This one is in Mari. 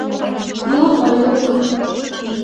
— Мо, Олюк?